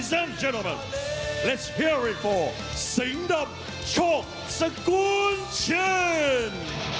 เจ้าแม่นพูดกันนะชิงดับช็อคสกุนชิน